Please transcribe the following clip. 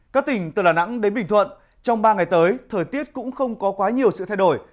các tỉnh từ đà nẵng đến bình thuận trong ba ngày tới thời tiết cũng không có quá nhiều sự thay đổi